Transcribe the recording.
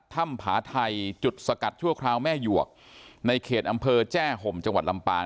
ผาไทยจุดสกัดชั่วคราวแม่หยวกในเขตอำเภอแจ้ห่มจังหวัดลำปาง